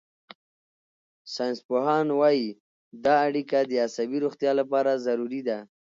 ساینسپوهان وايي دا اړیکه د عصبي روغتیا لپاره ضروري ده.